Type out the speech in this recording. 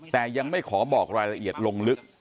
แต่ยังไม่ขอบอกรายละเอียดลงลึก